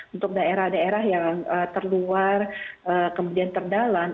untuk daerah daerah yang terluar kemudian terdalam